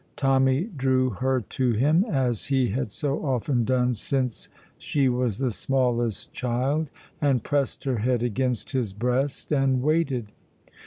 Tommy drew her to him, as he had so often done since she was the smallest child, and pressed her head against his breast, and waited.